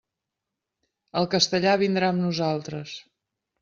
El castellà vindrà amb nosaltres.